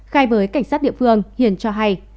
khai với cảnh sát địa phương hiền cho hay